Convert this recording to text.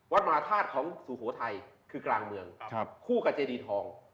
มหาธาตุของสุโขทัยคือกลางเมืองคู่กับเจดีทอง